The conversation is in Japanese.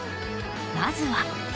まずは。